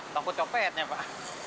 takut copetnya pak